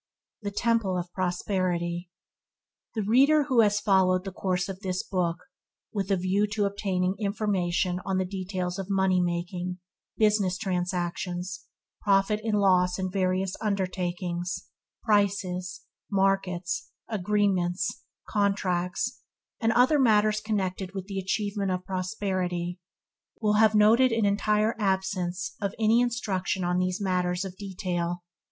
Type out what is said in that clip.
The temple of prosperity The reader who has followed the course of this book with a view to obtaining information on the details of money making, business transactions, profit and loss in various undertakings, prices, markets, agreements, contracts, and other matters connected with the achievement of prosperity, will have noted an entire absence of any instruction on these matters of detail.